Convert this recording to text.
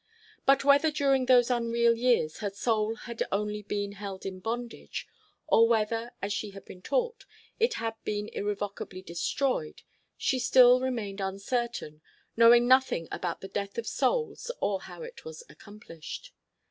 But whether during those unreal years her soul had only been held in bondage, or whether, as she had been taught, it had been irrevocably destroyed, she still remained uncertain, knowing nothing about the death of souls or how it was accomplished.